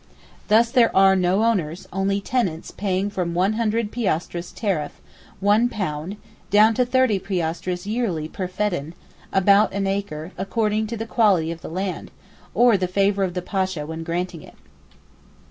Thus there are no owners, only tenants paying from one hundred piastres tariff (£1) down to thirty piastres yearly per feddan (about an acre) according to the quality of the land, or the favour of the Pasha when granting it.